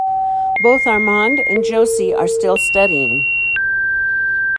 Both Armand and Josie are still studying.